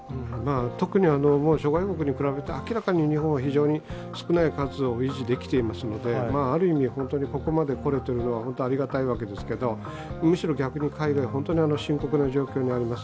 特に諸外国に比べて、明らかに日本は非常に少ない数を維持できていますのである意味、本当にここまで来られているのは本当にありがたいわけですがむしろ逆に海外は本当に深刻な状態にあります。